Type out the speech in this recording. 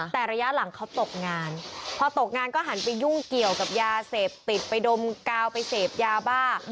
แต่ระยะหลังเขาตกงานพอตกงานก็หันไปยุ่งเกี่ยวกับยาเสพติดไปดมกาวไปเสพยาบ้า